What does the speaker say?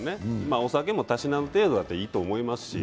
お酒もたしなむ程度だったらいいと思いますし。